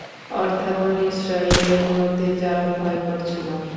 অর্থাৎ বনী ইসরাঈলের মধ্যে যারা ভয় করছিল।